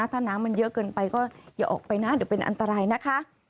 ถ้าน้ำมันเยอะเกินไปก็อย่าออกไปนะเดี๋ยวเป็นอันตรายนะคะ